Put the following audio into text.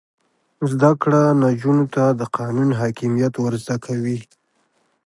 زده کړه نجونو ته د قانون حاکمیت ور زده کوي.